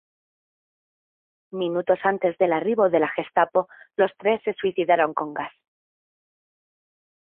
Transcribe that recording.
Minutos antes del arribo de la Gestapo, los tres se suicidaron con gas.